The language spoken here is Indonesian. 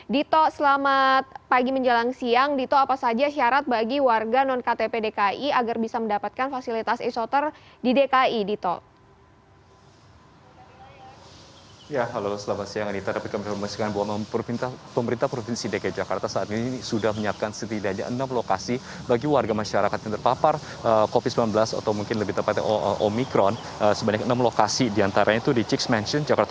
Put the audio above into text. dito selamat pagi menjelang siang dito apa saja syarat bagi warga non ktp dki agar bisa mendapatkan fasilitas isoter di dki